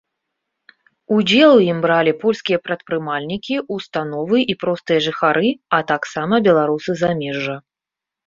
Удзел у ім бралі польскія прадпрымальнікі, установы і простыя жыхары, а таксама беларусы замежжа.